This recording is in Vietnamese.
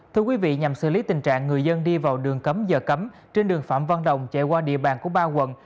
thưa quý vị nhằm xử lý tình trạng người dân đi vào đường cấm giờ cấm trên đường phạm văn đồng chạy qua địa bàn của ba quận